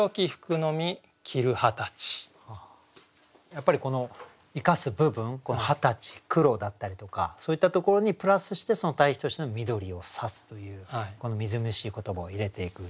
やっぱりこの生かす部分「二十歳」「黒」だったりとかそういったところにプラスして対比としての「緑をさす」というこのみずみずしい言葉を入れていく。